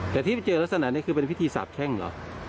แต่ที่ไปเจอลักษณะนี้คือเป็นพิธีสาบแข้งเหรอ